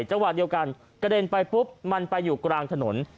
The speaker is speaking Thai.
จังหวะเดียวกันกระเด็นไปปุ๊บมันไปอยู่กลางถนน